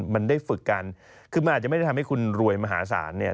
มันได้ฝึกกันคือมันอาจจะไม่ได้ทำให้คุณรวยมหาศาลเนี่ย